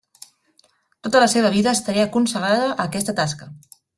Tota la seva vida estaria consagrada a aquesta tasca.